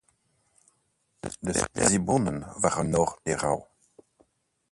De sperziebonen waren nog te rauw.